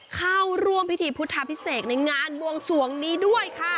เข้าร่วมพิธีพุทธพิเศษในงานบวงสวงนี้ด้วยค่ะ